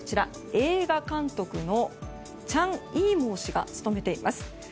映画監督のチャン・イーモウ氏が務めています。